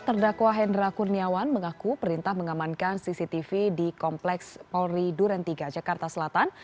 terdakwa hendra kurniawan mengaku perintah mengamankan cctv di kompleks polri duren tiga jakarta selatan